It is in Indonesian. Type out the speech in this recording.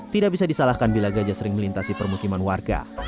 tidak bisa disalahkan bila gajah sering melintasi permukiman warga